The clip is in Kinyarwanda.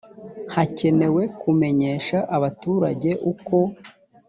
hakenewe kumenyesha abaturage uko